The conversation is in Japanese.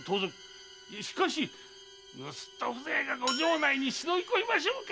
しかし盗人風情がご城内に忍び込みましょうか？